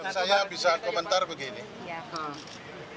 saya bisa komentar begini